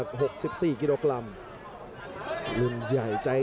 โหโหโหโหโหโหโหโหโหโหโหโหโห